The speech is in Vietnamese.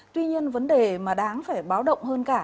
tuy nhiên vấn đề mà đáng phải báo động hơn cả